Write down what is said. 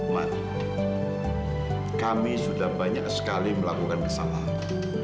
mat kami sudah banyak sekali melakukan kesalahan